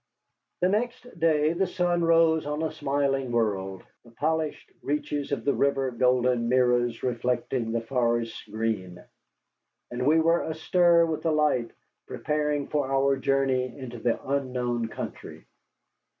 The next day the sun rose on a smiling world, the polished reaches of the river golden mirrors reflecting the forest's green. And we were astir with the light, preparing for our journey into the unknown country.